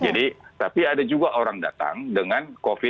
jadi tapi ada juga orang datang dengan covid